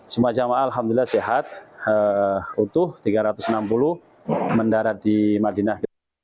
semua jemaah alhamdulillah sehat utuh tiga ratus enam puluh mendarat di madinah